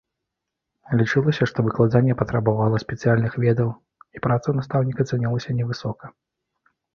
Лічылася, што выкладанне патрабавала спецыяльных ведаў, і праца настаўніка цанілася невысока.